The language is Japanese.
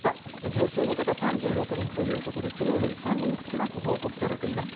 重症の方、３６人ということで、きのうより３人少なく報告されています。